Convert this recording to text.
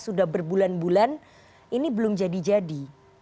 sudah berbulan bulan ini belum jadi jadi